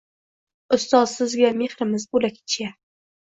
Ustoz, sizga mehrimiz bo‘lakcha...